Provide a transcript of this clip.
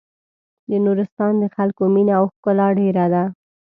د نورستان د خلکو مينه او ښکلا ډېره ده.